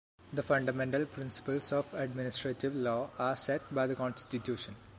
The fundamental principles of administrative law are set by the Constitution.